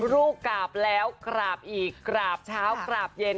ลูกกลับแล้วกลับอีกกลับเช้ากลับเย็น